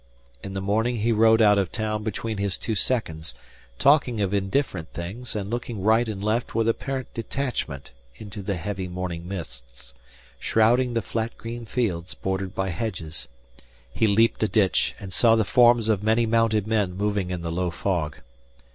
In the morning he rode out of town between his two seconds, talking of indifferent things and looking right and left with apparent detachment into the heavy morning mists, shrouding the flat green fields bordered by hedges. He leaped a ditch, and saw the forms of many mounted men moving in the low fog.